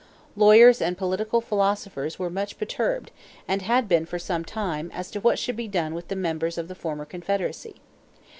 Lawyers and political philosophers were much perturbed and had been for some time as to what should be done with the members of the former Confederacy.